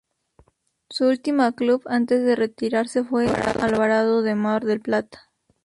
Su último club antes de retirarse fue Alvarado de Mar del Plata.